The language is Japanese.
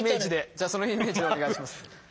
じゃあそのイメージでお願いします。